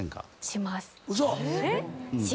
します。